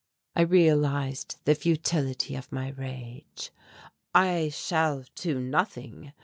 I realized the futility of my rage. "I shall do nothing.